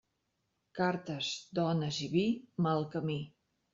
Cartes, dones i vi; mal camí.